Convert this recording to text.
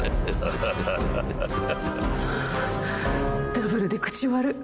ダブルで口悪っ。